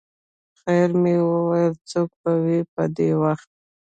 خیر مې وویل څوک به وي په دې وخت.